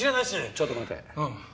ちょっと待て。